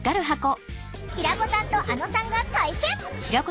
平子さんとあのさんが体験！